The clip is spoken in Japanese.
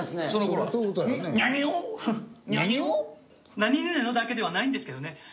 「なにぬねの」だけではないんですけどね。